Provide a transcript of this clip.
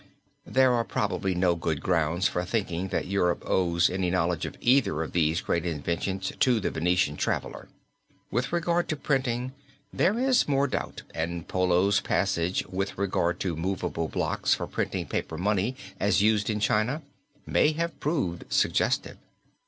There are probably no good grounds for thinking that Europe owes any knowledge of either of these great inventions to the Venetian traveler. With regard to printing there is more doubt and Polo's passage with regard to movable blocks for printing paper money as used in China may have proved suggestive.